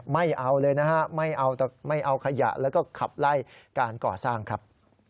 ไม่เอาเลยนะฮะไม่เอาขยะแล้วก็ขับไล่การก่อสร้างครับ